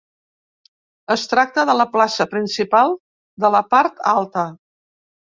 Es tracta de la plaça principal de la Part Alta.